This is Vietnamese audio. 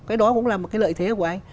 cái đó cũng là một cái lợi thế của anh